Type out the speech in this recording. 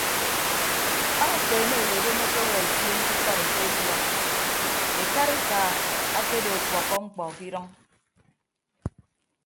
Akpeene obodom akewuọ esion ke ikọdetefia ekarika akedo ọkpọkkọ mkpọ ke idʌñ.